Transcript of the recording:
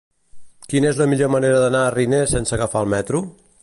Quina és la millor manera d'anar a Riner sense agafar el metro?